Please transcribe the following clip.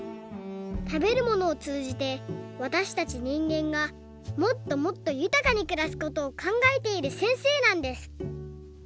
たべるものをつうじてわたしたちにんげんがもっともっとゆたかにくらすことをかんがえているせんせいなんです！